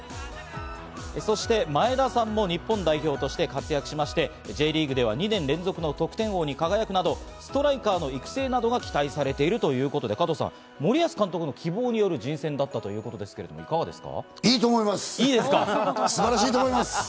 そして前田さんも元日本代表として活躍しまして、Ｊリーグでは２年連続の得点王に輝くなど、ストライカーの育成などが期待されているということで、加藤さん、森保監督の希望による人選だったということですが、どうですか？